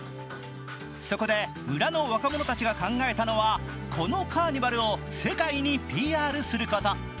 そこで村の若者たちが考えたのはこのカーニバルを世界にＰＲすること。